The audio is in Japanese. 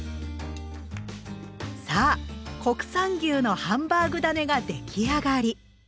さあ国産牛のハンバーグだねが出来上がり。